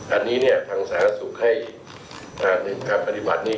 อันนี้เนี่ยทางสหรัฐศูนย์ให้การปฏิบัตินี้